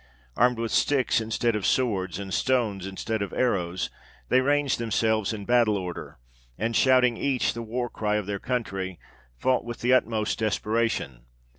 Armed with sticks instead of swords, and stones instead of arrows, they ranged themselves in battle order, and, shouting each the war cry of their country, fought with the utmost desperation.